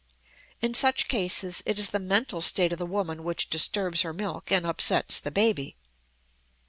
In such cases it is the mental state of the woman which disturbs her milk and upsets the baby.